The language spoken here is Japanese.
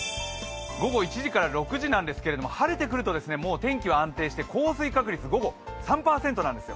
午後１時から６時なんですけれども晴れてくると天気は安定して降水確率、午後は３％なんですよ。